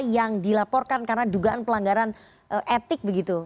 yang dilaporkan karena dugaan pelanggaran etik begitu